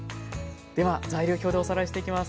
では材料表でおさらいしていきます。